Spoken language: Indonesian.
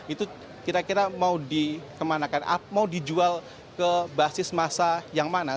itu kira kira mau dikemanakan mau dijual ke basis masa yang mana